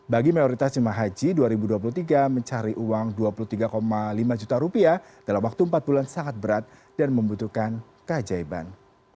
bagi mayoritas jemaah haji dua ribu dua puluh tiga mencari uang rp dua puluh tiga lima juta rupiah dalam waktu empat bulan sangat berat dan membutuhkan keajaiban